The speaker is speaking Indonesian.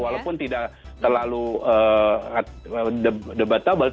walaupun tidak terlalu debatable